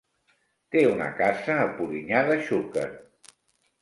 Té una casa a Polinyà de Xúquer.